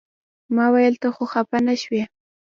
ما ویل ته خو خپه نه شوې.